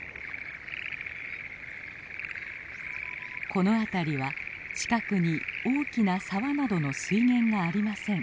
この辺りは近くに大きな沢などの水源がありません。